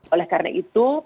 oleh karena itu